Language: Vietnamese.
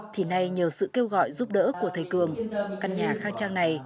thì nay nhờ sự kêu gọi giúp đỡ của thầy cường căn nhà khang trang này